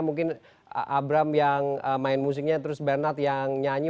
mungkin abram yang main musiknya terus bernard yang nyanyi